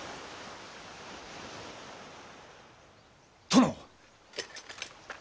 殿！